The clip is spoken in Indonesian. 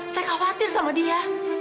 saya khawatir sama dia